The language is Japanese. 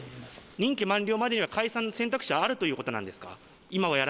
任期満了までには解散の選択肢はあるということですか？